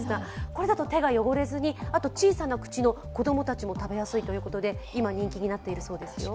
これだと手が汚れずに、あと小さな口の子供たちも食べやすいということで今、人気になっているそうですよ。